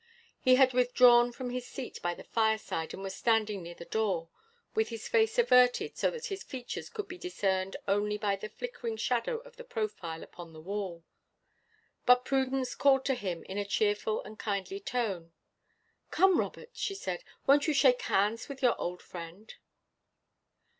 He had withdrawn from his seat by the fireside and was standing near the door, with his face averted so that his features could be discerned only by the flickering shadow of the profile upon the wall. But Prudence called to him in a cheerful and kindly tone: "Come, Robert," said she, "won't you shake hands with your old friend?"